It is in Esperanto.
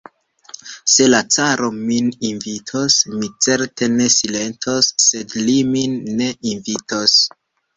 Se la caro min invitos, mi certe ne silentos, sed li min ne invitos.